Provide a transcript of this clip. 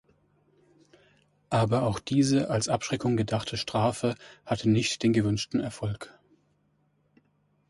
Aber auch diese als Abschreckung gedachte Strafe hatte nicht den gewünschten Erfolg.